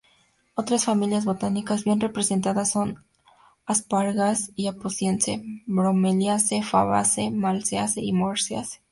Otras familias botánicas bien representadas son: Asparagaceae, Apocynaceae, Bromeliaceae, Fabaceae, Malvaceae y Moraceae.